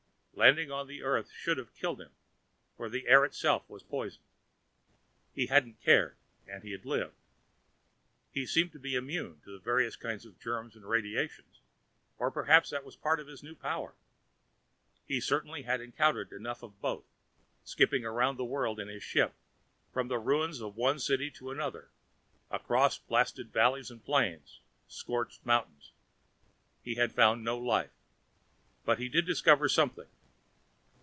Landing on the Earth should have killed him, for the air itself was poisoned. He hadn't cared and he had lived. He seemed to be immune to the various kinds of germs and radiations, or perhaps that was part of his new power. He certainly had encountered enough of both, skipping around the world in his ship, from the ruins of one city to another, across blasted valleys and plains, scorched mountains. He had found no life, but he did discover something.